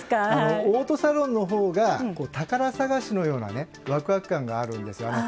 オートサロンのほうが宝探しのようなワクワク感があるんです。